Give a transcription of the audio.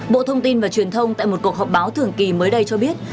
bộ thông tin và truyền thông tại một cuộc họp báo thường kỳ mới đây cho biết